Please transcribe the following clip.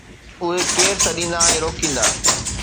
اهي ڪير سڏيندا ۽ روڪيندا؟